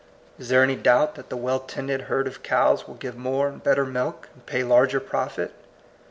Is there any doubt that the well tended herd of cows will give more and better milk, and pay larger profit?